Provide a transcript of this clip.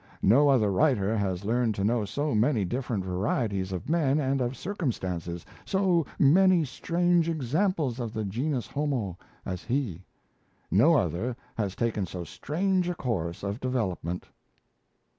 No other writer has learned to know so many different varieties of men and of circumstances, so many strange examples of the Genus Homo, as he; no other has taken so strange a course of development."